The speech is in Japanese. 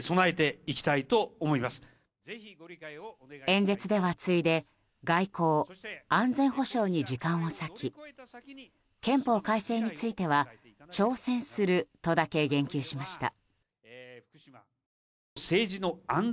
演説では、次いで外交・安全保障に時間を割き憲法改正については挑戦するとだけ言及しました。